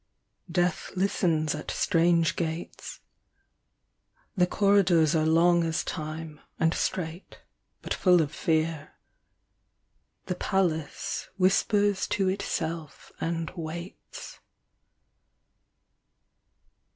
Death listens at strange gates. The corridors Are long as time, and straight, but full of fear. — The Palace whispers to itself and waits.